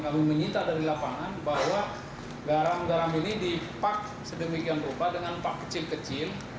kami menyita dari lapangan bahwa garam garam ini dipak sedemikian rupa dengan pak kecil kecil